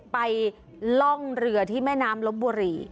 ล่องเรือที่แม่น้ำลบบุรี